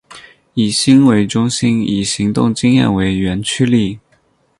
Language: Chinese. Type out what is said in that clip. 以心为中心以行动经验为原驱力。